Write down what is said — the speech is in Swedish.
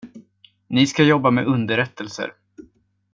Ni ska jobba med underrättelser.